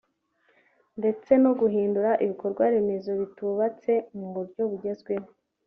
ndetse no guhindura ibikorwaremezo bitubatse mu buryo bugezweho